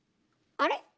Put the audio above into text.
あれ？